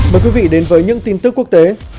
mời quý vị đến với những tin tức quốc tế